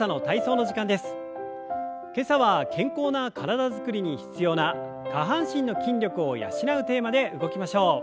今朝は健康な体づくりに必要な下半身の筋力を養うテーマで動きましょう。